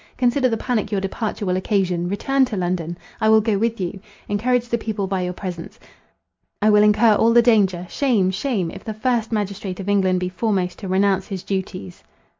Consider the panic your departure will occasion. Return to London. I will go with you. Encourage the people by your presence. I will incur all the danger. Shame! shame! if the first magistrate of England be foremost to renounce his duties."